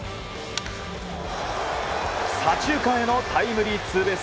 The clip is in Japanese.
左中間へのタイムリーツーベース。